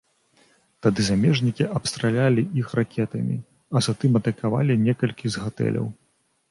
Тады замежнікі абстралялі іх ракетамі, а затым атакавалі некалькі з гатэляў.